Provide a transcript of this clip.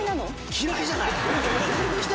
嫌いじゃない。